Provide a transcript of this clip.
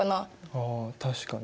あ確かに。